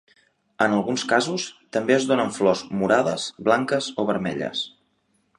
En alguns casos també es donen flors morades, blanques o vermelles.